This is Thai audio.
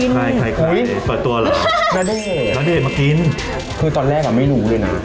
ใช่ปรับตัวนั่นไงนาเดนาเดมากินคือตอนแรกไม่รู้ด้วยนะ